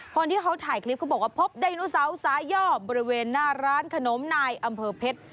คนที่เขาถ่ายคลิปเขาบอกว่าพบไดโนเสาร์สาย่อบริเวณหน้าร้านขนมนายอำเภอเพชร